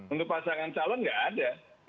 untuk pasangan calon nggak ada